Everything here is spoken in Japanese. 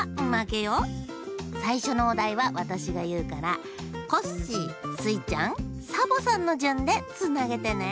さいしょのおだいはわたしがいうからコッシースイちゃんサボさんのじゅんでつなげてね！